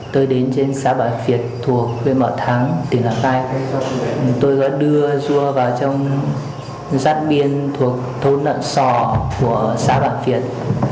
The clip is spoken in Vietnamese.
tôi đến trên xã bạc việt thuộc quê mở thắng tỉnh lào cai tôi đã đưa dua vào trong rát biên thuộc thôn nạn sò của xã bạc việt